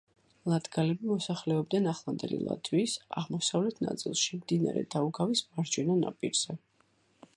ლატგალები მოსახლეობდნენ ახლანდელი ლატვიის აღმოსავლეთ ნაწილში, მდინარე დაუგავის მარჯვენა ნაპირზე.